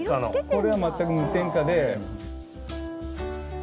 これは全く無添加で。